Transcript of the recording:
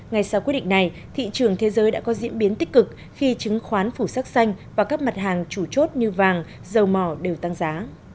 ngay sau quyết định này thị trường thế giới đã có diễn biến tích cực khi chứng khoán phủ sắc xanh và các mặt hàng chủ chốt như vàng dầu mỏ đều tăng giá